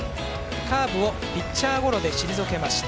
ピッチャーゴロで退けました。